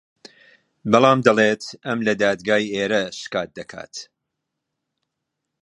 بەڵام دەڵێت ئەم لە دادگای ئێرە شکات دەکات